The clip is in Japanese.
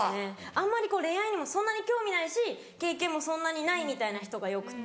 あんまり恋愛にもそんなに興味ないし経験もそんなにないみたいな人がよくて。